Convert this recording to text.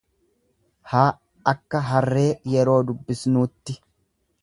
h akka harree yeroo dubbisnuutti.